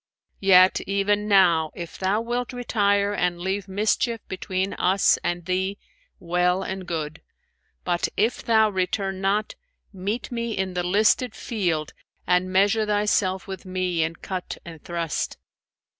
Yet, even now, if thou wilt retire and leave mischief between us and thee, well and good; but if thou return not, meet me in the listed field and measure thyself with me in cut and thrust.'